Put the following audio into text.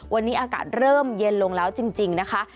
วันนี้อากาศเริ่มเย็นลงแล้วจริงนะคะ